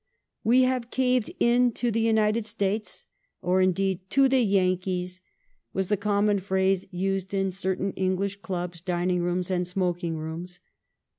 " We have THE ALABAMA QUESTION 299 caved in to the United States,", or, indeed, "to the Yankees," was the common phrase used in certain English clubs, dining rooms, and smoking rooms.